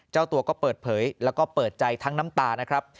เจ้าตัวก็เปิดเผยแล้วก็เปิดใจทั้งน้ำตานะครับ